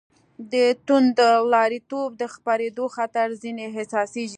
د توندلاریتوب د خپرېدو خطر ځنې احساسېږي.